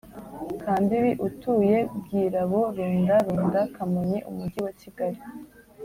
Kambibi utuye BwiraboRunda Runda KamonyiUmujyi wa Kigali